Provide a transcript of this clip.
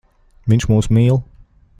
Viņš mūs mīl.